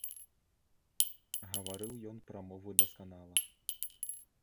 Гаварыў ён прамовы дасканала.